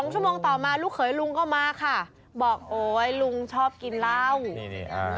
ชั่วโมงต่อมาลูกเขยลุงก็มาค่ะบอกโอ๊ยลุงชอบกินเหล้านี่นี่อ่า